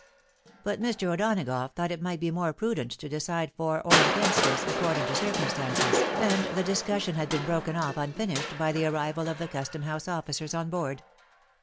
But Mr. O'Donagough thought it might be more prudent to decide for or against this, according to circtunstances, and the discussion had been broken off unfinished, by the arrival of the custom house oflScers on board.